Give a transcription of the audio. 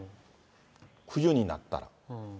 冬になったら。